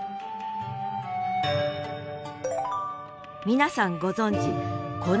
皆さんご存じこ